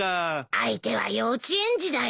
相手は幼稚園児だよ。